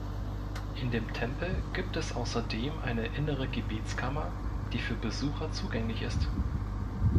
In dem Tempel gibt es außerdem eine innere Gebetskammer, die für Besucher zugänglich ist.